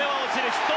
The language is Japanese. ヒット。